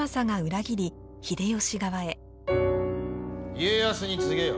家康に告げよ。